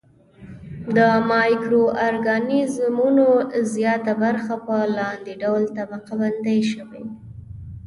د مایکرو ارګانیزمونو زیاته برخه په لاندې ډول طبقه بندي شوې.